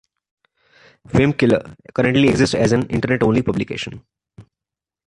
"Wimpkiller" currently exists as an Internet-only publication.